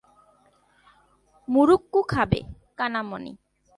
মুরুক্কু খাবে, কানামাণি।